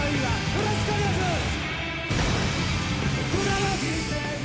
よろしくお願いします！